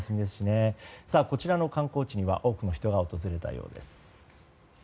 こちらの観光地には多くの人が訪れたようです。